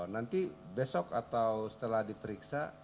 nanti besok atau setelah diperiksa